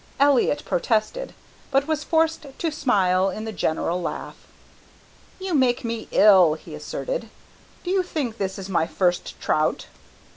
Elliott protested, but was forced to smile in the general laugh. "You make me ill," he asserted; "do you think this is my first trout?"